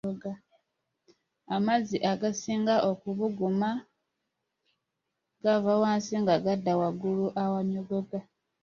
Amazzi agasinga okubuguma gava wansi nga gadda waggulu awannyogoga